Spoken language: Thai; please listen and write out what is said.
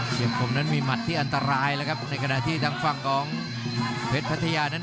คมนั้นมีหมัดที่อันตรายแล้วครับในขณะที่ทางฝั่งของเพชรพัทยานั้น